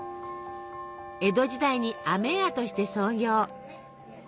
江戸時代に飴屋として創業。